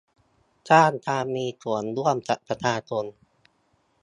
สร้างการมีส่วนร่วมกับประชาชน